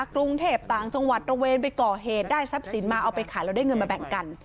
กรุงเทพต่างจังหวัดตระเวนไปก่อเหตุได้ทรัพย์สินมาเอาไปขายแล้วได้เงินมาแบ่งกัน